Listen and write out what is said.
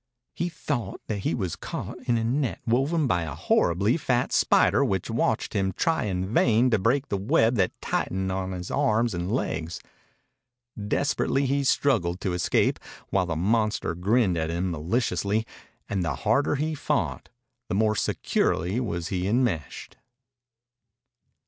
He thought that he was caught in a net woven by a horribly fat spider which watched him try in vain to break the web that tightened on his arms and legs. Desperately he struggled to escape while the monster grinned at him maliciously, and the harder he fought the more securely was he enmeshed.